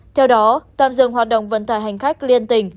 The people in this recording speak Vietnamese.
theo đó tạm dừng hoạt động vận tải hành khách liên tỉnh